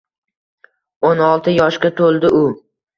O‘n olti yoshga toʻldi u